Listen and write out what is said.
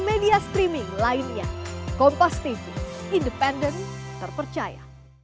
media streaming lainnya kompas tv independen terpercaya